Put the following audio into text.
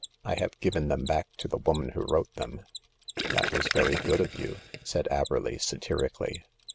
I have given them back to the woman who wrote them." " That was very good of you," said Averley, satirically.